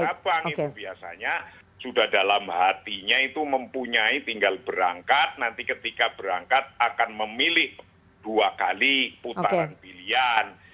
cabang itu biasanya sudah dalam hatinya itu mempunyai tinggal berangkat nanti ketika berangkat akan memilih dua kali putaran pilihan